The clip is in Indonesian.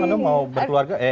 anda mau berkeluarga